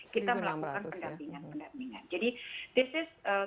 kita melakukan pendampingan pendampingan